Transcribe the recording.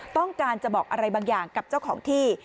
ต้องการจะบอกอะไรบางอย่างกับเจ้าของที่